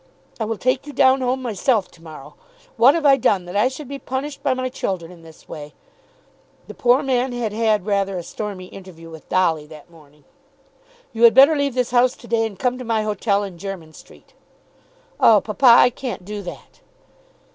I will take you down home myself to morrow. What have I done that I should be punished by my children in this way?" The poor man had had rather a stormy interview with Dolly that morning. "You had better leave this house to day, and come to my hotel in Jermyn Street." "Oh, papa, I can't do that."